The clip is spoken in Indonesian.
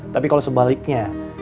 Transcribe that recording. tapi kalau sebaliknya